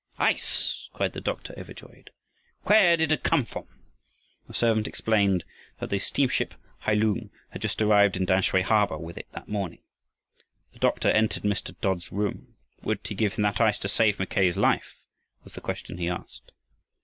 "Ice!" cried the doctor, overjoyed. "Where did it come from?" The servant explained that the steamship Hailoong had just arrived in Tamsui harbor with it that morning. The doctor entered Mr. Dodd's room. Would he give him that ice to save Mackay's life? was the question he asked.